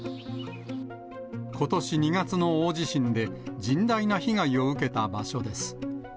ことし２月の大地震で、甚大な被害を受けた場所です。